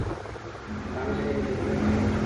হারামিটাকে দেখুন একবার।